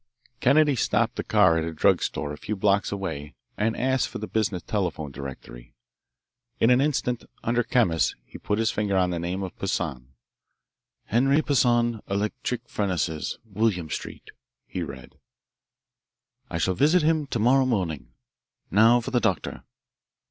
Kennedy stopped the car at a drug store a few blocks away and asked for the business telephone directory. In an instant, under chemists, he put his finger on the name of Poissan "Henri Poissan, electric furnaces, William St.," he read. "I shall visit him to morrow morning. Now for the doctor."